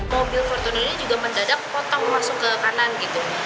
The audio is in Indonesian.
mobil fortuner ini juga mendadak potong langsung ke kanan gitu